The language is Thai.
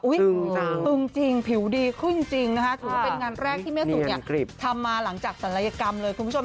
ตึงจริงผิวดีขึ้นจริงนะคะถือว่าเป็นงานแรกที่แม่สุเนี่ยทำมาหลังจากศัลยกรรมเลยคุณผู้ชม